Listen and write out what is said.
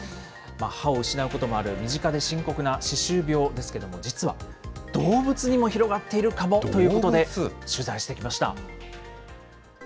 歯を失うこともある身近で深刻な歯周病ですけれども、実は、動物にも広がっているかも？ということで、取材してきました。